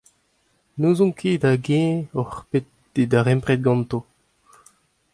N’ouzon ket hag-eñ ocʼh bet e darempred ganto ?